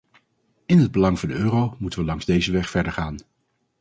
In het belang van de euro moeten we langs deze weg verdergaan.